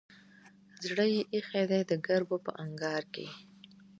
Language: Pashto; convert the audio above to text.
زړه يې ايښی دی دګرګو په انګار کې